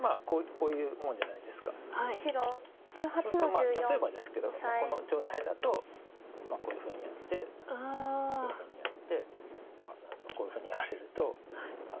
そうすると例えばですけどこの状態だとこういうふうにやってこういうふうにやって何だろうこういうふうにやれると。